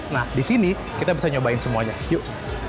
nah di sini kita bisa nyobain semuanya yuk